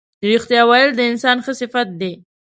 رښتیا ویل د انسان ښه صفت دی.